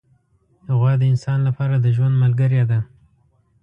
غوا د انسان لپاره د ژوند ملګرې ده.